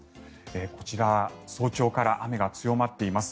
こちら、早朝から雨が強まっています。